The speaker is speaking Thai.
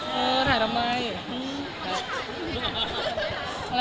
ไม่ถ่ายถ่ายทำไม